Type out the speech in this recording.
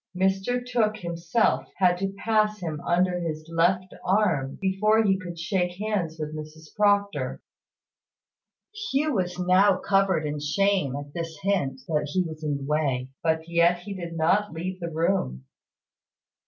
Mr Tooke himself had to pass him under his left arm before he could shake hands with Mrs Proctor. Hugh was now covered with shame at this hint that he was in the way; but yet he did not leave the room.